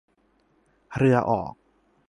เรือออก